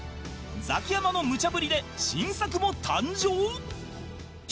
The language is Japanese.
ザキヤマのむちゃぶりで新作も誕生！？